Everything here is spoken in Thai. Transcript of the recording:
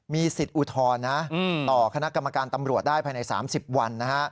มีสิทธิ์อุทธรณ์นะต่อคณะกรรมการตำรวจได้ภายใน๓๐วัน